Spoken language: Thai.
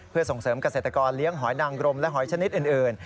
เพื่อส่งเสริมเกษตรกรเลี้ยงหอยนางรมและหอยชนิดอื่น